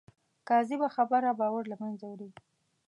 کاذبه خبره باور له منځه وړي